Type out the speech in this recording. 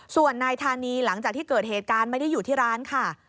ส่วนนายธานีหลังจากที่เกิดเหตุการณ์ไม่ได้อยู่ที่ร้านค่ะ